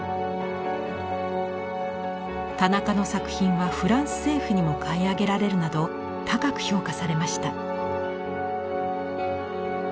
田中の作品はフランス政府にも買い上げられるなど高く評価されました。